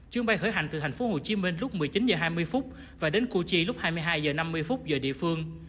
chuyến bay khởi hành từ thành phố hồ chí minh lúc một mươi chín h hai mươi và đến cochi lúc hai mươi hai h năm mươi giờ địa phương